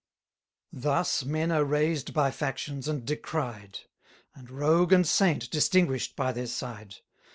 Thus men are raised by factions, and decried; And rogue and saint distinguish'd by their side.